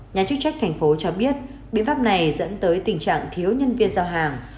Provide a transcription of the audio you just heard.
nhà chức trách thành phố cho biết biện pháp này dẫn tới tình trạng thiếu nhân viên giao hàng